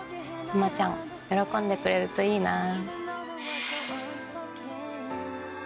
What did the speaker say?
玉ちゃん喜んでくれるといいなぁ。